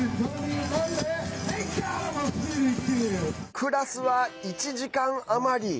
クラスは１時間余り。